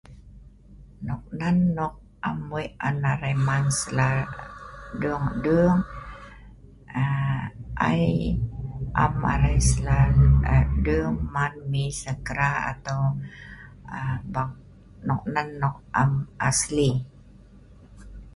nok nan nok am weik on arai man sla dung dung aaa ai am arai slalu aa dung man mi segera atau aa ba nok nan nok am asli